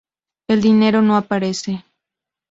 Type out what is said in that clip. El dinero no aparece.